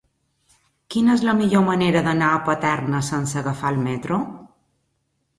Quina és la millor manera d'anar a Paterna sense agafar el metro?